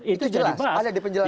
itu jelas ada di penjelasan